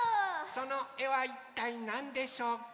そのえはいったいなんでしょうか？